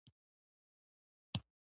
د زابل په دایچوپان کې د ګچ نښې شته.